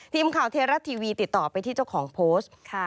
ทีมข่าวเทราะทีวีติดต่อไปที่เจ้าของโพสต์